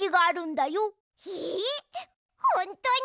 ほんとに？